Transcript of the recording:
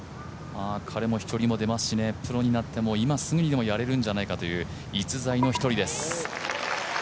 彼も飛距離も出ますしプロになっても今すぐにやれるんじゃないかという逸材の１人です。